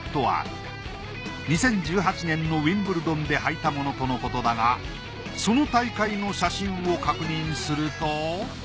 ２０１８年のウィンブルドンで履いたものとのことだがその大会の写真を確認すると。